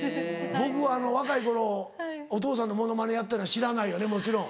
僕若い頃お父さんのモノマネやってたの知らないよねもちろん。